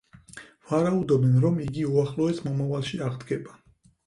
ვარაუდობენ, რომ იგი უახლოეს მომავალში აღდგება.